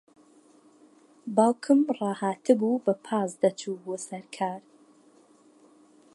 باوکم ڕاھاتبوو بە پاس دەچوو بۆ سەر کار.